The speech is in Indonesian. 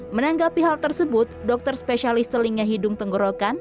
menanggapi hal tersebut dokter spesialis telinga hidung tenggorokan